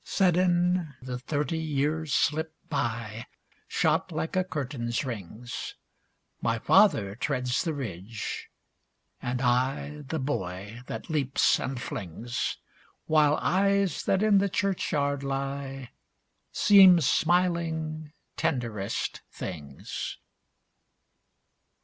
Sudden, the thirty years slip by, Shot like a curtain's rings ! My father treads the ridge, and I The boy that leaps and flings, While eyes that in the churchyard lie Seem smiling tenderest things.